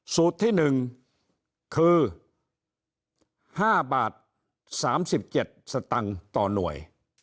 สูตรที่๑คือ๕บาท๓๗สตังค์ต่อหน่วย